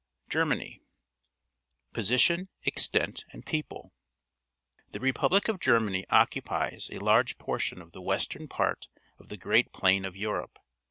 GERMANY tCt/^ Position, Extent, and People. — The repub lic of Germany occupies a large portion of the western part of the great plain of Europe.